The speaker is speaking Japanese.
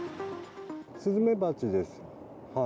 スズメバチです。